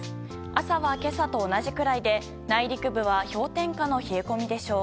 朝は今朝と同じくらいで内陸部は氷点下の冷え込みでしょう。